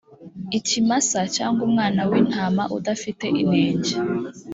Ikimasa cyangwa umwana w intama udafite inenge